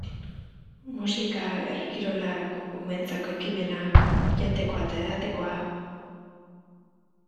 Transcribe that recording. Musika, herri kirolak, umeentzako ekimenak, jatekoa eta edatekoa...